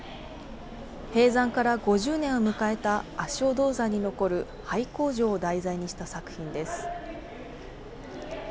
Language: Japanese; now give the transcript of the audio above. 閉山から５０年を迎えた足尾銅山に残る廃工場を題材にした作品です。